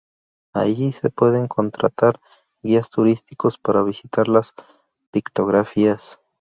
Allí se pueden contratar guías turísticos para visitar las pictografías.